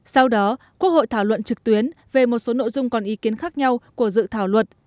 sau đó quốc hội thảo luận trực tuyến về một số nội dung còn ý kiến khác nhau của dự thảo luật